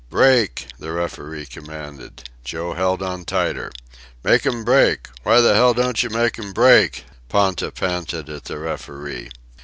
"Break!" the referee commanded. Joe held on tighter. "Make 'm break! Why the hell don't you make 'm break?" Ponta panted at the referee.